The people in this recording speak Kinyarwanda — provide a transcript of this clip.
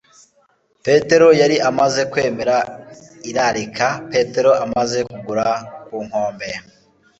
Petero yari amaze kwemera irarika. Petero amaze kugera ku nkombe,